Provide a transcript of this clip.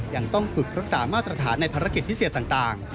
ยังต้องฝึกรักษามาตรฐานในภารกิจพิเศษต่าง